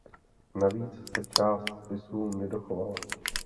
Navíc se část spisu nedochovala.